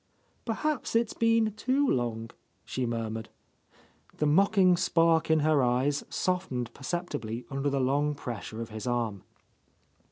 "Perhaps it's been too long," she murmured. The mocking spark in her eyes softened percep tibly under the lorng pressure of his arm.